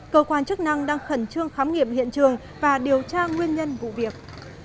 cơ quan chức năng đang khẩn trương khám nghiệm hiện trường và điều tra nguyên nhân vụ việc